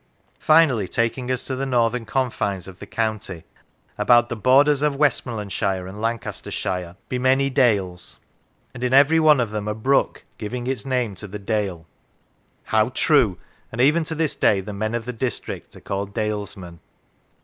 Finally, taking us to the northern confines of the county: " About the borders of Westmorlandshire and Lancastershire be many 78 In the Time of Leland dales. And in every one of them a brook, giving its name to the dale." How true ! and even to this day the men of the district are called dalesmen.